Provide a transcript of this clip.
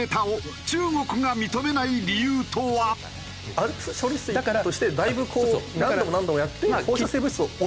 ＡＬＰＳ処理水としてだいぶこう何度も何度もやって放射性物質を抑えて。